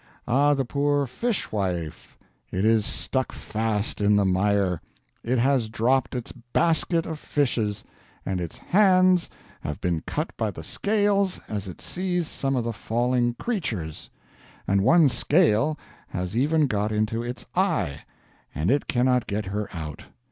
Ah the poor Fishwife, it is stuck fast in the Mire; it has dropped its Basket of Fishes; and its Hands have been cut by the Scales as it seized some of the falling Creatures; and one Scale has even got into its Eye, and it cannot get her out.